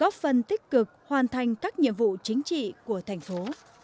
góp phần tích cực hoàn thành các nhiệm vụ chính trị của thành phố